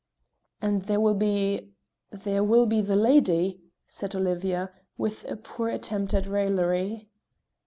"And there will be there will be the lady," said Olivia, with a poor attempt at raillery.